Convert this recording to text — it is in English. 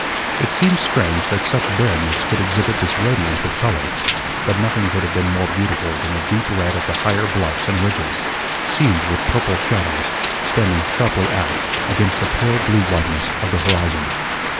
It seemed strange that such barrenness could exhibit this radiance of color, but nothing could have been more beautiful than the deep red of the higher bluffs and ridges, seamed with purple shadows, standing sharply out against the pale blue whiteness of the horizon.